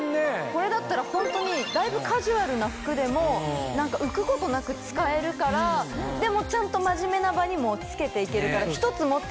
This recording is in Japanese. これだったらホントにだいぶカジュアルな服でも浮くことなく使えるからでもちゃんと真面目な場にも着けて行けるから。